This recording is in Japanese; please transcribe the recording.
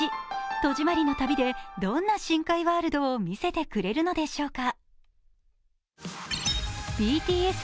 戸締まりの旅でどんな新海ワールドを見せてくれるのでしょうか。